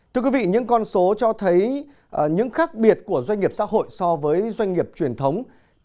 thưa quý vị những con số cho thấy những khác biệt của doanh nghiệp xã hội so với doanh nghiệp truyền thống